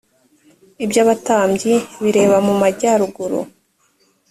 iby’abatambyi bireba mu majyaruguru,